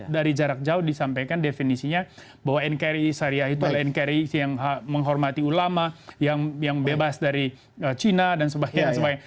dari jarak jauh disampaikan definisinya bahwa nkri syariah itu adalah nkri yang menghormati ulama yang bebas dari cina dan sebagainya